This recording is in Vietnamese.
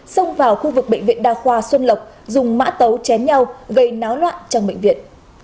xông vào khu vực bệnh viện đa khoa xuân lộc dùng mã tấu chém nhau gây náo loạn trong bệnh viện